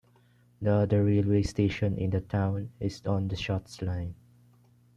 The other railway station in the town is on the Shotts Line.